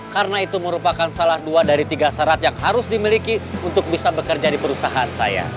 karena itu merupakan salah dua dari tiga syarat yang harus dimiliki untuk bisa bekerja di perusahaan saya